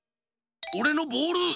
おれのボール！